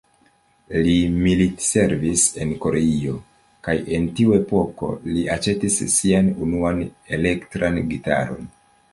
Li militservis en Koreio, kaj en tiu epoko li aĉetis sian unuan elektran gitaron.